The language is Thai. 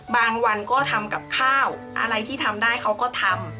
บางวันก็ทำกับข้าวอะไรที่ทำได้เขาก็ทำ